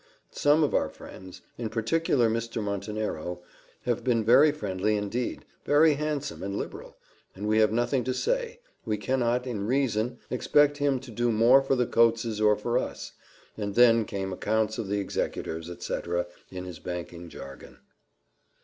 Some of our friends, in particular Mr. Montenero, have been very friendly indeed very handsome and liberal and we have nothing to say; we cannot, in reason, expect him to do more for the Coates's or for us.' And then came accounts of the executors, &c., in his banking jargon.